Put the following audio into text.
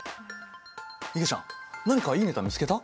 いげちゃん何かいいネタ見つけた？